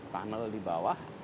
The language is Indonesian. tunnel di bawah